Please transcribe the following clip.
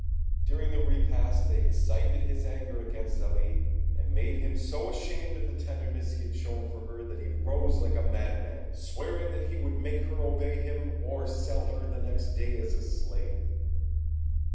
During the repast they excited his anger against Zélie, and made him so ashamed of the tenderness he had shown for her, that he rose like a madman, swearing that he would make her obey him, or sell her the next day as a slave.